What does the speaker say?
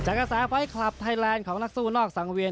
กระแสไฟคลับไทยแลนด์ของนักสู้นอกสังเวียน